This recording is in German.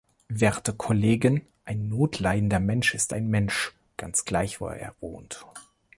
Werte Kollegen, ein notleidender Mensch ist ein Mensch, ganz gleich, wo er wohnt.